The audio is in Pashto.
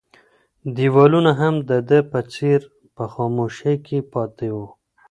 دیوالونه هم د ده په څېر په خاموشۍ کې پاتې وو.